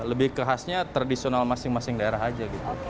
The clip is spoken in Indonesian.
lebih ke khasnya tradisional masing masing daerah aja gitu